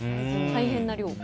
大変な量。